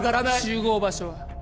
集合場所は？